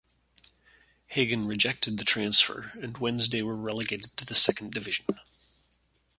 Hagan rejected the transfer and Wednesday were relegated to the Second Division.